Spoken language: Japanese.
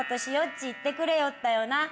ち言ってくれよったよな。